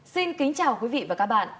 xin kính chào quý vị và các bạn